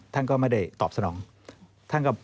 ท่านบอกที่เสนอที่ส